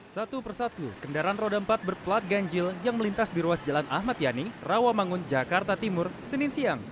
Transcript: satu persatu kendaraan roda empat berplat ganjil yang melintas di ruas jalan ahmad yani rawamangun jakarta timur senin siang